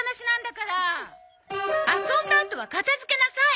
遊んだあとは片付けなさい！